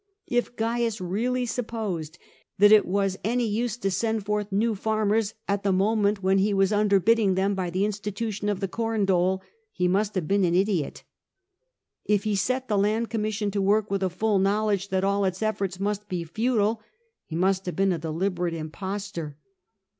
If Caius really supposed that it was any use to send forth new farmers, at the moment when he was underbidding them by the institution of the corn dole, he must have been an idiot. If he set the Land Commission to work with a full knowledge that all its efforts must be futile, he must have been a deliberate impostor.